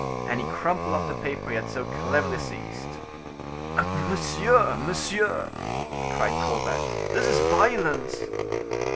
And he crumpled up the paper he had so cleverly seized. "Monsieur, monsieur!" cried Colbert, "this is violence!"